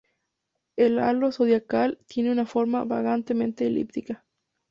El halo zodiacal tiene una forma vagamente elíptica.